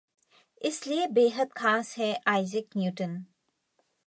इसलिए बेहद खास हैं आइजक न्यूटन...